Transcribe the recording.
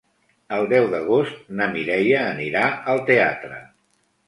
El deu d'agost na Mireia anirà al teatre.